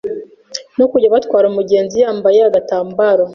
no kujya batwara umugenzi yambaye agatambaro